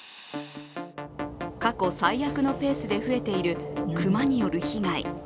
過去最悪のペースで増えている熊による被害。